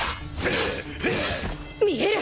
見える！